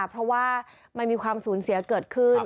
เพราะว่ามันมีความสูญเสียเกิดขึ้น